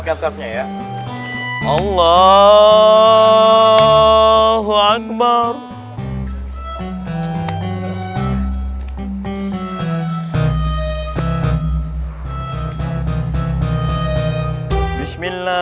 enggak sih ustaz